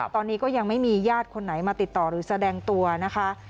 ตอนนี้ก็ยังไม่มีญาติคนไหนมาติดต่อหรือแสดงตัวนะคะ